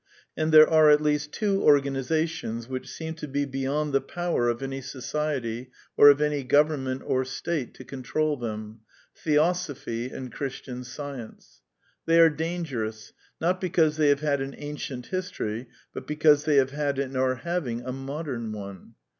And there are at least two organizations which seem to be beyond the power of any Society, or of any Gov ernment or State to control them — Theosophy and Chris tiaoJSfiience. ^^ They are dangerous, not because they have had an ancient history, but because they have had and are having a modem one.